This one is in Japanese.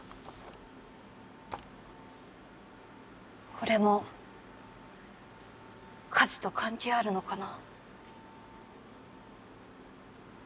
これも火事と関係あるのかな。